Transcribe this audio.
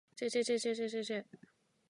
jjjjjjjjjjjjjjjjj